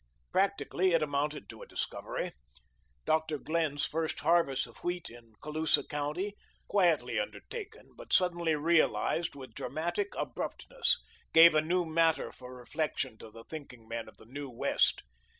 Practically it amounted to a discovery. Dr. Glenn's first harvest of wheat in Colusa County, quietly undertaken but suddenly realised with dramatic abruptness, gave a new matter for reflection to the thinking men of the New West.